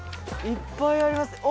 いっぱいあります。